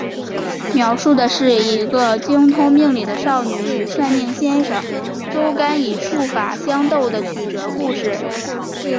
描述的是一个精通命理的少女与算命先生周干以术法相斗的曲折故事。